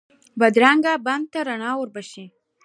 بادرنګ بدن ته رڼا بښي.